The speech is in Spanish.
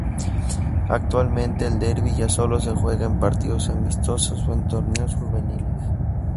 Actualmente el derbi ya sólo se juega en partidos amistosos o en torneos juveniles.